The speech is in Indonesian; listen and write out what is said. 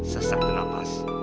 sesak tuh napas